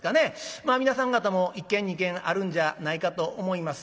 皆さん方も一軒二軒あるんじゃないかと思います。